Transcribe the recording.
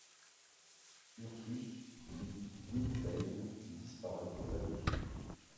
Ursus vit Gwynplaine disparaître là-dessous.